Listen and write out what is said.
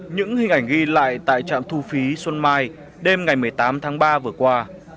những hình ảnh ghi lại tại trạm thu phí xuân mai đêm ngày một mươi tám tháng ba vừa qua